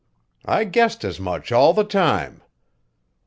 I guessed as much all the time."